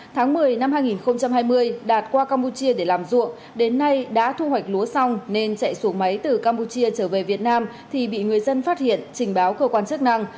tháng một mươi năm hai nghìn hai mươi đạt qua campuchia để làm ruộng đến nay đã thu hoạch lúa xong nên chạy xuống máy từ campuchia trở về việt nam thì bị người dân phát hiện trình báo cơ quan chức năng